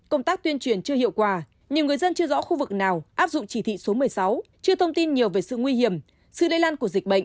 công tác tuyên truyền chưa hiệu quả nhiều người dân chưa rõ khu vực nào áp dụng chỉ thị số một mươi sáu chưa thông tin nhiều về sự nguy hiểm sự lây lan của dịch bệnh